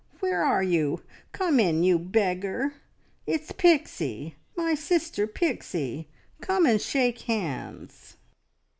"Where are you? Come in, you beggar. It's Pixie! My sister Pixie. Come and shake hands."